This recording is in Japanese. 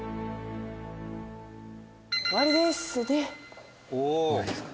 終わりですか？